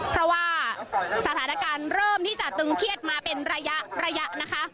เพราะว่าสถานการณ์เริ่มที่จะตึงเครียดมาเป็นระยะระยะนะคะ